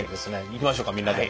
いきましょうかみんなで。